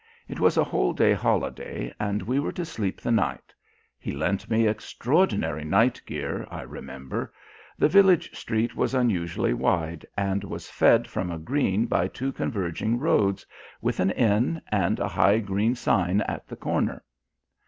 It was a whole day holiday, and we were to sleep the night; he lent me extraordinary night gear, I remember. The village street was unusually wide, and was fed from a green by two converging roads, with an inn, and a high green sign at the corner.